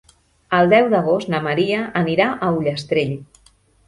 El deu d'agost na Maria anirà a Ullastrell.